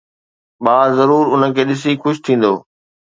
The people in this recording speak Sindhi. ٻار ضرور ان کي ڏسي خوش ٿيندو